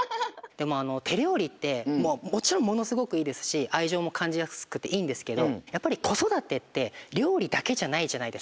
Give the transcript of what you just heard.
でもてりょうりってもちろんものすごくいいですしあいじょうもかんじやすくていいんですけどやっぱりこそだてってりょうりだけじゃないじゃないですか。